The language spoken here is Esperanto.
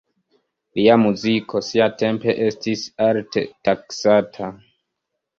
Lia muziko siatempe estis alte taksata.